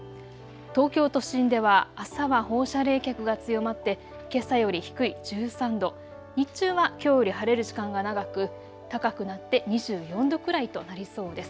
東京都心では朝は放射冷却が強まってけさより低い１３度、日中はきょうより晴れる時間が長く、高くなって２４度くらいとなりそうです。